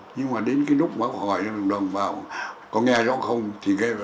nhưng mà đến cái lúc báo hỏi vào có nghe rõ không thì nghe rõ